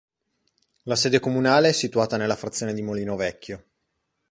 La sede comunale è situata nella frazione di Molino Vecchio.